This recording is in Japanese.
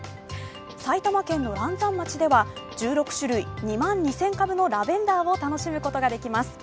埼玉県の嵐山町では１６種類、２万２０００株のラベンダーを楽しむことができます。